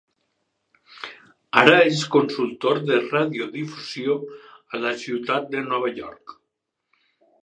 Ara és consultor de radiodifusió a la ciutat de Nova York.